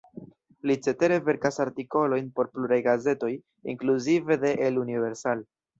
Li cetere verkas artikolojn por pluraj gazetoj, inkluzive de "El Universal".